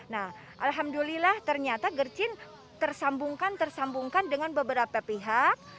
nah alhamdulillah ternyata gercin tersambungkan tersambungkan dengan beberapa pihak